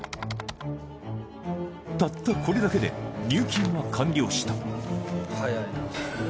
たったこれだけで入金は完了した